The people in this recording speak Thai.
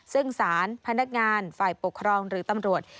ซึ่งสารพนักงานฝ่ายปกครองหรือตำรวจ